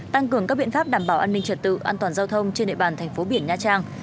tăng cường các biện pháp đảm bảo an ninh trật tự an toàn giao thông trên địa bàn thành phố biển nha trang